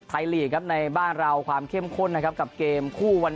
ลีกครับในบ้านเราความเข้มข้นนะครับกับเกมคู่วัน